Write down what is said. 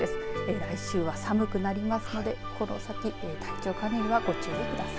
来週は寒くなりますのでこの先体調管理にはご注意ください。